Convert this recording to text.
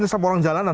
sesama orang jalanan